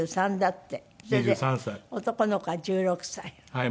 はい。